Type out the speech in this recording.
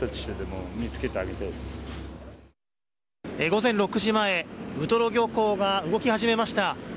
午前６時前ウトロ漁港が動き始めました。